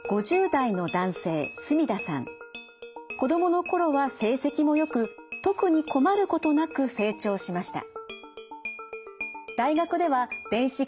子どもの頃は成績もよく特に困ることなく成長しました。